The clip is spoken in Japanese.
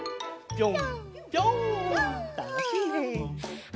ぴょん！